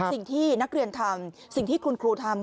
สิ่งที่นักเรียนทำสิ่งที่คุณครูทำ